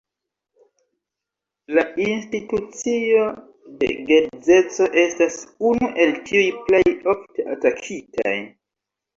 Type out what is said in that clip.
La institucio de geedzeco estas unu el tiuj plej ofte atakitaj.